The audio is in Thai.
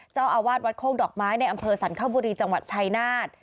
เจ้าอาวาสวัดโคกดอกไม้ในอำเภอสรรคบุรีจังหวัดชายนาฏ